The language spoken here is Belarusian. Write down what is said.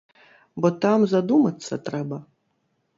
Бо там задумацца трэба.